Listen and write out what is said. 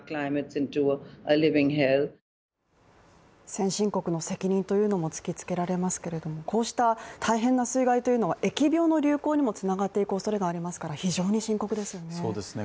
先進国の責任というのも突きつけられますけれどもこうした大変な水害というのは疫病の流行にもつながっていくおそれがありますから非常に深刻ですよね。